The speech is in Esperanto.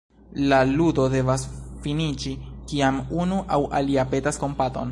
La ludo devas finiĝi, kiam unu aŭ alia petas kompaton.